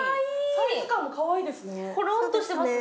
サイズ感もかわいいですね。